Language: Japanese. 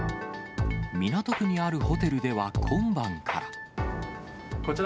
港区にあるホテルでは、今晩から。